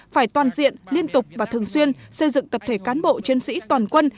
phải toàn diện liên tục và thường xuyên xây dựng tập thể cán bộ chiến sĩ toàn quân